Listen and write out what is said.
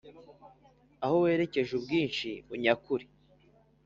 aho werekeje ubwinshi unyakure.